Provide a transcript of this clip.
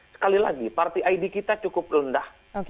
sekali lagi party id kita cukup rendah